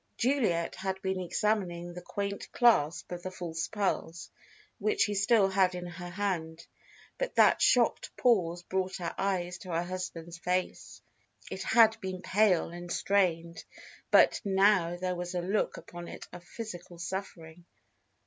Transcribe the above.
Juliet had been examining the quaint clasp of the false pearls, which she still had in her hand, but that shocked pause brought her eyes to her husband's face. It had been pale and strained, but now there was a look upon it of physical suffering.